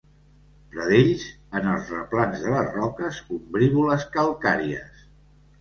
Pradells en els replans de les roques ombrívoles calcàries.